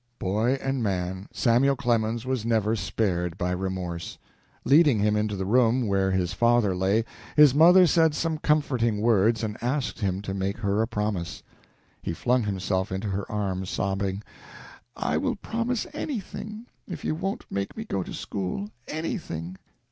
Boy and man, Samuel Clemens was never spared by remorse. Leading him into the room where his father lay, his mother said some comforting words and asked him to make her a promise. He flung himself into her arms, sobbing: "I will promise anything, if you won't make me go to school! Anything!"